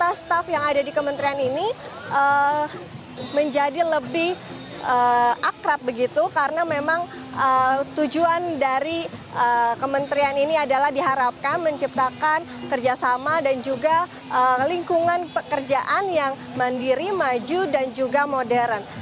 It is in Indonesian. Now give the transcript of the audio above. pemerintah staff yang ada di kementerian ini menjadi lebih akrab begitu karena memang tujuan dari kementerian ini adalah diharapkan menciptakan kerjasama dan juga lingkungan pekerjaan yang mandiri maju dan juga modern